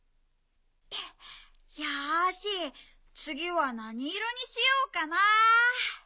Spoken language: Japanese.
よしつぎはなにいろにしようかな。